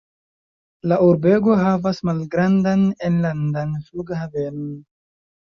La urbego havas malgrandan enlandan flughavenon.